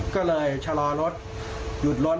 ก็เลยชะลอรถหยุดรถ